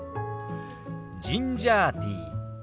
ジンジャーティー。